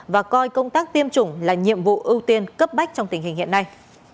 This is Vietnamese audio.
và coi công tác tiêm chủng là nhiệm vụ ưu tiên cấp bách trong tình hình hiện nay